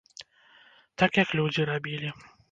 Так як людзі рабілі.